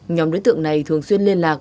nhóm đối tượng này thường xuyên liên lạc